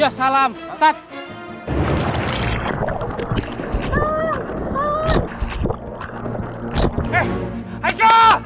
ya salam ustaz